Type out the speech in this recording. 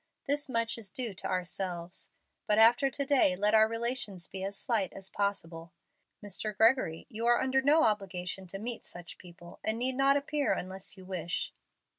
This much is due to ourselves. But after to day let our relations be as slight as possible. Mr. Gregory, you are under no obligation to meet such people, and need not appear unless you wish."